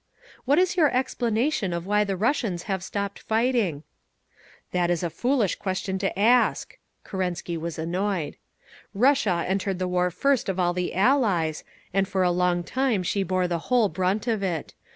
"What is your explanation of why the Russians have stopped fighting?" "That is a foolish question to ask." Kerensky was annoyed. "Russia entered the war first of all the Allies, and for a long time she bore the whole brunt of it.